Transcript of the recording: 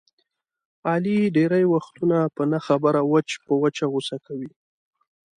علي ډېری وختونه په نه خبره وچ په وچه غوسه کوي.